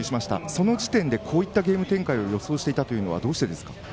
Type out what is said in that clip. その時点でこういったゲーム展開を予想していたというのはどうしてですか？